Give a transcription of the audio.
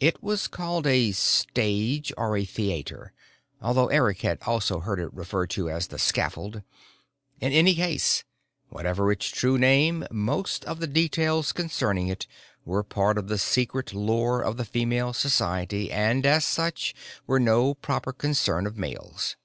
It was called a Stage or a Theater, although Eric had also heard it referred to as The Scaffold. In any case, whatever its true name, most of the details concerning it were part of the secret lore of the Female Society and, as such, were no proper concern of males.